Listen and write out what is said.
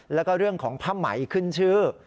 แล้วก็เรื่องของผ้าไหมขึ้นชื่อ